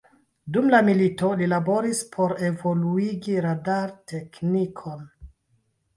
Dum la milito, li laboris por evoluigi radar-teknikon.